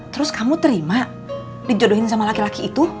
terus kamu terima dijodohin sama laki laki itu